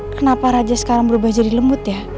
kenapa raja sekarang berubah jadi lembut ya